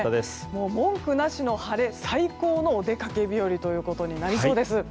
文句なしの晴れ最高のお出かけ日和ということになりそうです。